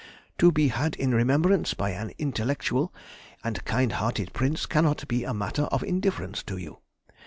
To be had in remembrance by an intellectual and kind hearted Prince cannot be a matter of indifference to you.